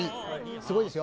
すごいですよ。